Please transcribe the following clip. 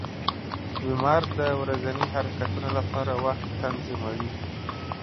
• لمر د ورځني حرکتونو لپاره وخت تنظیموي.